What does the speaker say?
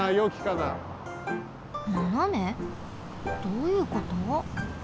どういうこと？